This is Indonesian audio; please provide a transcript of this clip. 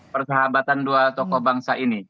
persahabatan dua tokoh bangsa ini